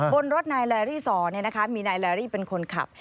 บนรถนายไลมีนายไลเป็นคนขับ